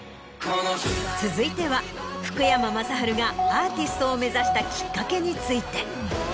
続いては福山雅治がアーティストを目指したきっかけについて。